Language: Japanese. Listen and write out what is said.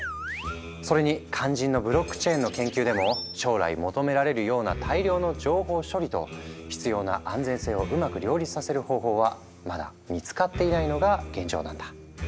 それに肝心のブロックチェーンの研究でも将来求められるような大量の情報処理と必要な安全性をうまく両立させる方法はまだ見つかっていないのが現状なんだ。